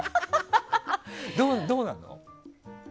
どうなの？